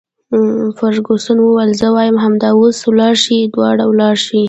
فرګوسن وویل: زه وایم همدا اوس ولاړ شئ، دواړه ولاړ شئ.